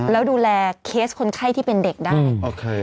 แล้วดูแลเคสคนไข้ที่เป็นเด็กได้